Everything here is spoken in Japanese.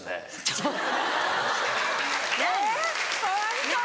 ちょっと！